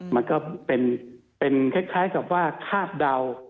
มันก็เป็นคล้ายกับว่าคาดเดา